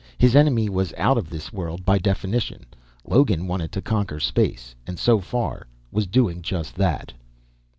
His enemy was out of this world by definition; Logan wanted to conquer space and, so far, was doing just that.